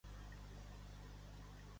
La capital és Palembang.